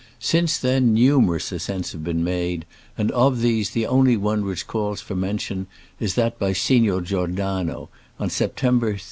Since then numerous ascents have been made, and of these the only one which calls for mention is' that by Signor Giordano, on September 3 5, 1868.